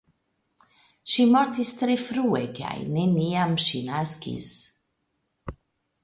Ŝi mortis tre frue kaj neniam ŝi naskis.